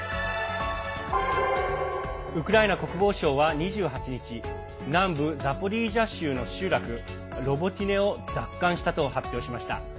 ウクライナ国防省は２８日南部ザポリージャ州の集落ロボティネを奪還したと発表しました。